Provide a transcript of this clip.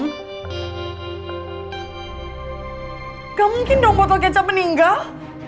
gak mungkin dong botol kacap meninggal